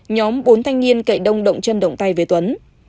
nhóm bốn thanh niên cậy đông động chân động tay với tuấn